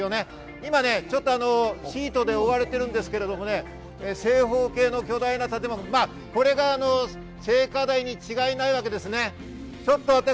今、シートで覆われているんですけれども、正方形の巨大な建物、これが聖火台に違いないわけです。